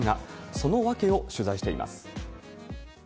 その訳を取材しています。